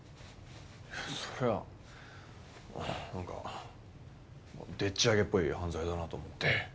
それはなんかでっち上げっぽい犯罪だなと思って。